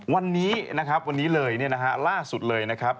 วันนี้นะครับวันนี้เลยเนี่ยนะฮะล่าสุดเลยนะครับ